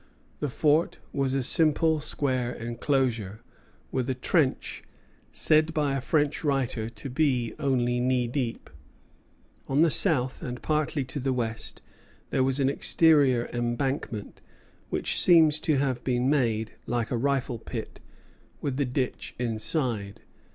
The fort was a simple square enclosure, with a trench said by a French writer to be only knee deep. On the south, and partly on the west, there was an exterior embankment, which seems to have been made, like a rifle pit, with the ditch inside.